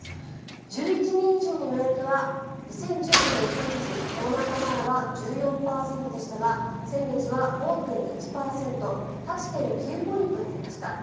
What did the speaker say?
１１人以上の予約は２０１９年３月、コロナ禍前は１４％でしたが先月は５．１％８．９ポイント減りました。